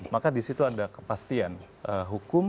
maka disitu ada kepastian hukum